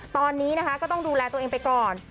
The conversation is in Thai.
ตอนนี้นะคะก็ต้องดูแลตัวเองไปก่อน